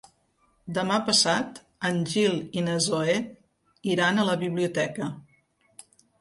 Demà passat en Gil i na Zoè iran a la biblioteca.